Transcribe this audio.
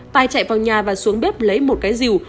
tài chạy vào nhà và xuống bếp lấy một cái rìu